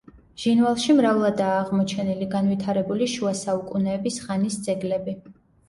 ჟინვალში მრავლადაა აღმოჩენილი განვითარებული შუა საუკუნეების ხანის ძეგლები.